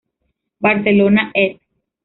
Barcelona: Ed.